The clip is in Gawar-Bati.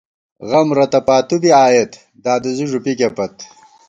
غم رتہ پاتُو بی آئېت ، دادُوزی ݫُوپِکے پت